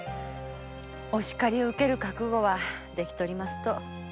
おしかりを受ける覚悟はできとりますと。